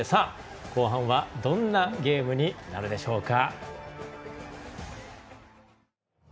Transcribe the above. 後半はどんなゲームになるでしょうか。